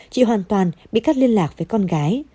chị hoàn toàn bị cắt liên lạc với con gái